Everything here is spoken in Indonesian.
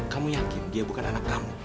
kamu yakin dia bukan anak kamu